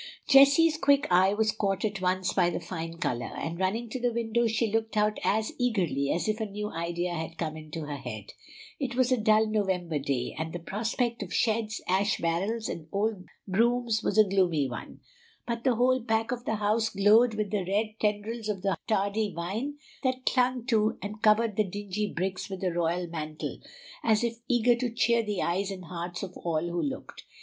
Jessie's quick eye was caught at once by the fine color, and running to the window she looked out as eagerly as if a new idea had come into her head. It was a dull November day, and the prospect of sheds, ash barrels, and old brooms was a gloomy one; but the whole back of the house glowed with the red tendrils of the hardy vine that clung to and covered the dingy bricks with a royal mantle, as if eager to cheer the eyes and hearts of all who looked.